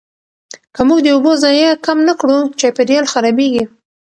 که موږ د اوبو ضایع کم نه کړو، چاپیریال خرابېږي.